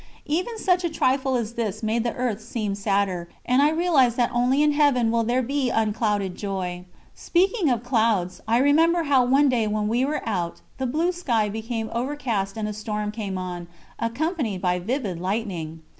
Even such a trifle as this made the earth seem sadder, and I realised that only in Heaven will there be unclouded joy. Speaking of clouds, I remember how one day when we were out, the blue sky became overcast and a storm came on, accompanied by vivid lightning.